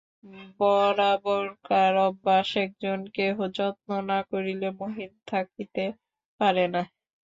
বরাবরকার অভ্যাস, একজন কেহ যত্ন না করিলে মহিন থাকিতে পারে না।